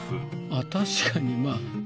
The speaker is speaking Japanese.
確かにまぁ。